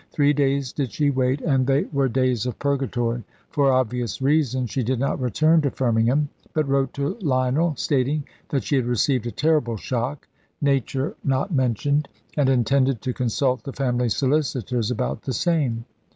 Three days did she wait, and they were days of purgatory. For obvious reasons she did not return to Firmingham, but wrote to Lionel stating that she had received a terrible shock nature not mentioned and intended to consult the family solicitors about the same.